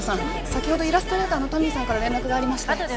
先ほどイラストレーターのトミーさんから連絡がありまして。